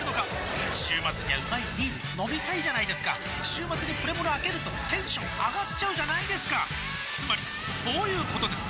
週末にはうまいビール飲みたいじゃないですか週末にプレモルあけるとテンション上がっちゃうじゃないですかつまりそういうことです！